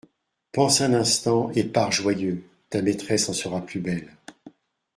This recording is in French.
Pense un instant et pars joyeux, Ta maîtresse en sera plus belle.